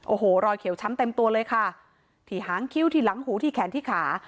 โอ้โหรอยเขียวช้ำเต็มตัวเลยค่ะที่หางคิ้วที่หลังหูที่แขนที่ขา